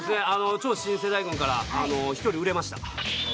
超新世代軍から１人売れました。